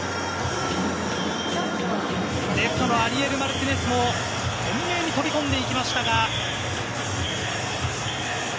レフトのアリエル・マルティネスも懸命に飛び込んでいきましたが。